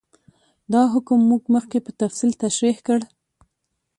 دا حکم موږ مخکې په تفصیل تشرېح کړ.